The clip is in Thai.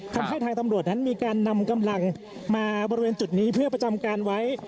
ทำให้ทางตำรวจนั้นมีการนำกำลังมาบริเวณจุดนี้เพื่อประจำการไว้